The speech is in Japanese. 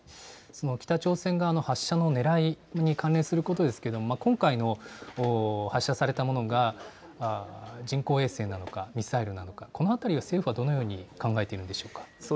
北朝鮮側の発射のねらいに関連することですけれども、今回の発射されたものが、人工衛星なのか、ミサイルなのか、このあたりは政府はどのように考えているんでしょうか。